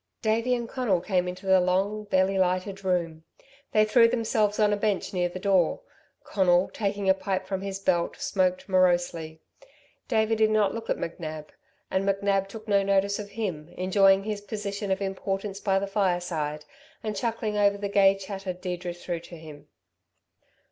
Davey and Conal came into the long, barely lighted room. They threw themselves on a bench near the door. Conal, taking a pipe from his belt, smoked morosely. Davey did not look at McNab, and McNab took no notice of him, enjoying his position of importance by the fireside, and chuckling over the gay chatter Deirdre threw to him.